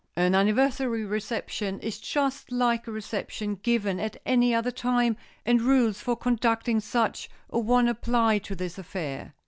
An anniversary reception is just like a reception given at any other time, and rules for conducting such a one apply to this affair.